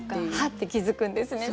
って気付くんですね